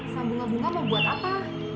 sambunga bunga mau buat apa